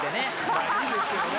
まぁいいですけどね。